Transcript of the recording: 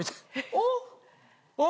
おっ？